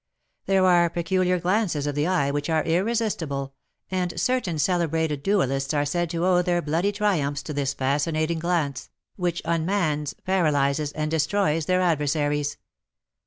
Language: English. There are peculiar glances of the eye which are irresistible, and certain celebrated duellists are said to owe their bloody triumphs to this fascinating glance, which unmans, paralyses, and destroys their adversaries.